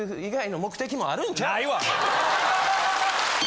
ないわ！